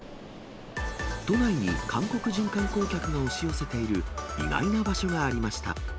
都内に韓国人観光客が押し寄せている意外な場所がありました。